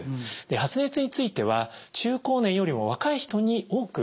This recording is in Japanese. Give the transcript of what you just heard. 発熱については中高年よりも若い人に多く起こっていました。